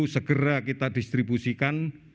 dua ratus segera kita distribusikan